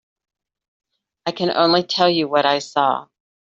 I can only tell you what I saw.